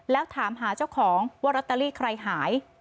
แล้วถามหาเจ้าของว่าลอตเตอรี่ใครหาย